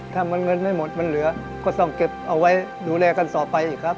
ถ้ามันเงินไม่หมดมันเหลือก็ต้องเก็บเอาไว้ดูแลกันต่อไปอีกครับ